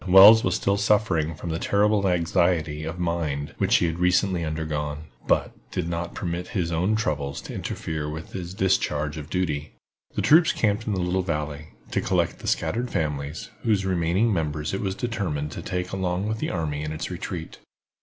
Wells was still suffering from the terrible anxiety of mind which he had recently undergone, but did not permit his own troubles to interfere with his discharge of duty. The troops camped in the little valley, to collect the scattered families, whose remaining members it was determined to take along with the army in its retreat.